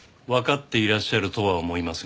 わかっていらっしゃるとは思いますが。